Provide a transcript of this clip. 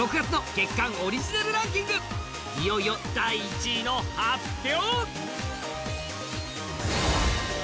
いよいよ第１位の発表！